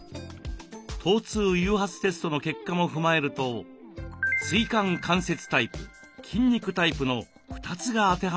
疼痛誘発テストの結果も踏まえると椎間関節タイプ筋肉タイプの２つが当てはまるそうです。